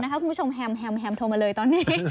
นะครับคุณผู้ชมแฮมแฮมแฮมโทรมาเลยตอนนี้